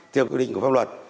tiêm quy định của pháp luật